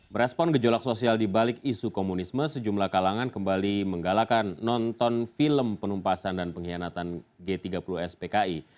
merespon gejolak sosial dibalik isu komunisme sejumlah kalangan kembali menggalakan nonton film penumpasan dan pengkhianatan g tiga puluh spki